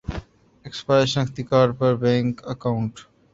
expire شناختی card پر bank account